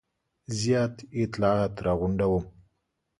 زیات اطلاعات را غونډوم.